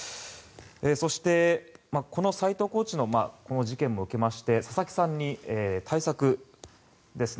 そして、この斎藤コーチの事件も受けまして佐々木さんに対策ですね。